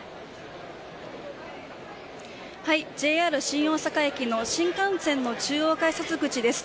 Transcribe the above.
ＪＲ新大阪駅の新幹線の中央改札口です。